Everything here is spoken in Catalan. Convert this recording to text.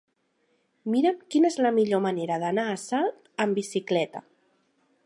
Mira'm quina és la millor manera d'anar a Salt amb bicicleta.